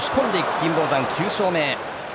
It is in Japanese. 金峰山、９勝目。